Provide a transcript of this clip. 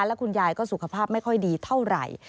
แล้วคุณยายก็สุขภาพไม่ค่อยดีเท่าไหร่